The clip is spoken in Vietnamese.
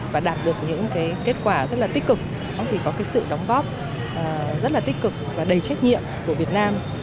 và đạt được những kết quả rất là tích cực thì có sự đóng góp rất là tích cực và đầy trách nhiệm của việt nam